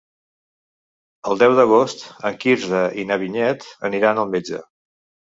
El deu d'agost en Quirze i na Vinyet aniran al metge.